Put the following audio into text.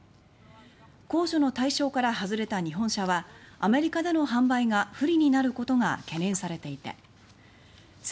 控除の対象から外れた日本車はアメリカでの販売が不利になることが懸念されていています。